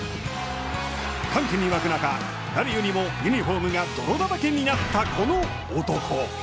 歓喜に沸く中、誰よりもユニホームが泥だらけになった、この男。